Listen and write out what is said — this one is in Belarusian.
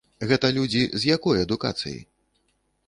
Гэта людзі з якой адукацыяй?